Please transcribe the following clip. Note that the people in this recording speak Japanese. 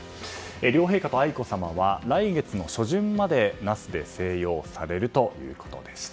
両陛下と愛子さまは来月初旬まで那須で静養されるということでした。